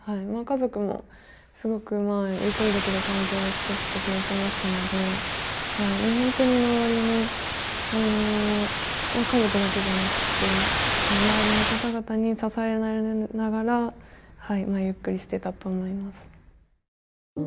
まあ家族もすごくゆっくりできる環境を作ってくれてましたのでもう本当に周りの家族だけじゃなくて周りの方々に支えられながらゆっくりしてたと思います。